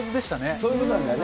そういうことなんだよね。